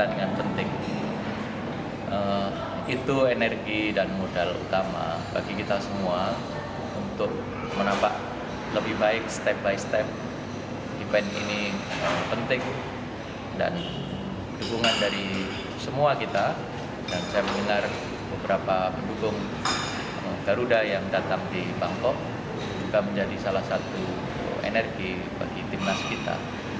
itu energi bagi timnas kita